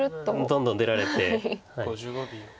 どんどん出られて。